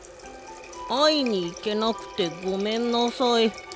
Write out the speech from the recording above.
あいにいけなくてごめんなさい。